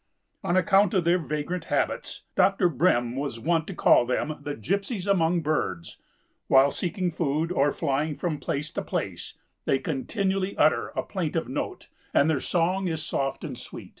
On account of their vagrant habits, Dr. Brehm was wont to call them the "Gypsies" among birds. While seeking food or flying from place to place, they continually utter a plaintive note and their song is soft and sweet.